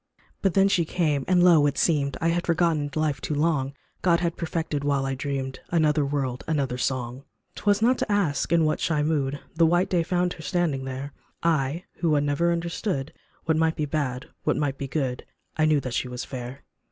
But then she came, and lo ! it seemed I had forgotten life too long God had perfected while I dreamed Another world, another song. 105 THE NEW DAWN 'Twas not to ask in what shy mood The white day found her standing there, I, who had never understood What might be bad what might be good I knew that she was fair.